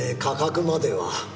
価格までは。